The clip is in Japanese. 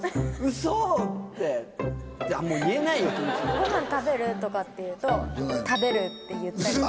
「ご飯食べる？」とかって言うと「食べる！」って言ったりとか。